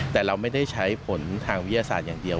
แต่เราไม่ได้ใช้ผลทางวิทยาศาสตร์อย่างเดียว